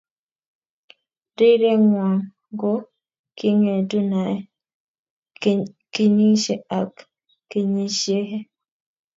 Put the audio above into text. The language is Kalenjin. Rirengwang ko kingetu nae kinyishe ak kinysihe.